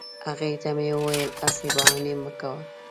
هغې ته مې وویل هسي بهانې مه کوه